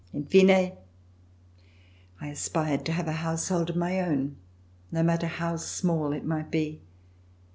In fine, I aspired to have a household of my own, no matter how small it might be.